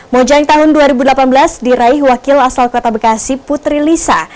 mojang tahun dua ribu delapan belas diraih wakil asal kota bekasi putri lisa